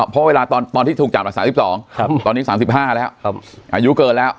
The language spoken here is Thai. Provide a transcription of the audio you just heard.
เพราะเวลาตอนที่ถูกจับมา๓๒ตอนนี้๓๕แล้วอายุเกินแล้ว